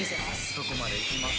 どこまで行きます